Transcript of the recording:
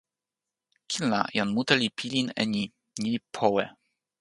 kin la jan mute li pilin e ni: ni li powe.